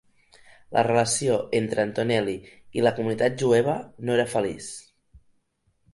La relació entre Antonelli i la comunitat jueva no era feliç.